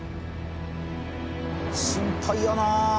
心配やなあ。